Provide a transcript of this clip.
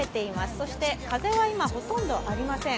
そして風は今ほとんどありません。